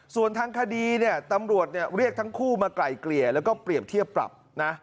ส่วนทางคดีเนี่ยตำรวจเรียกทั้งคู่มาไกล่เกลี่ยแล้วก็เปรียบเทียบปรับนะ